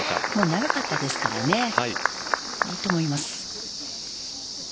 長かったですからねいいと思います。